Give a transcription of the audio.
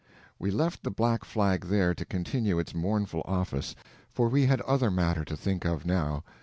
We left the black flag there to continue its mournful office, for we had other matter to think of now.